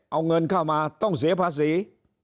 เอาเงินเข้ามาต้องเสียภาษี